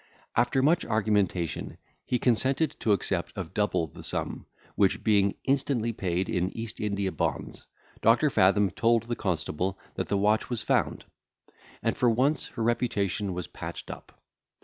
After much argumentation, he consented to accept of double the sum, which being instantly paid in East India bonds, Doctor Fathom told the constable, that the watch was found; and for once her reputation was patched up.